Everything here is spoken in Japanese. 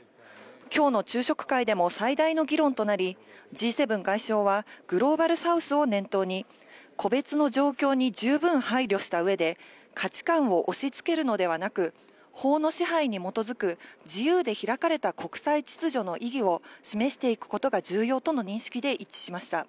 きょうの昼食会でも最大の議論となり、Ｇ７外相は、グローバルサウスを念頭に、個別の状況に十分配慮したうえで、価値観を押しつけるのではなく、法の支配に基づく自由で開かれた国際秩序の意義を示していくことが重要との認識で一致しました。